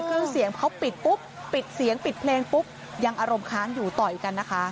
เครื่องเสียงเขาปิดปุ๊บปิดเสียงปิดเพลงปุ๊บยังอารมณ์ค้างอยู่ต่อยกันนะคะ